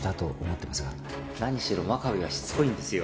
「何しろ真壁はしつこいんですよ」